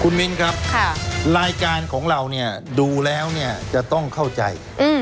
คุณมิ่นครับลายการคุณแฟนไกด์ของเราดูแล้วจะต้องเข้าใจ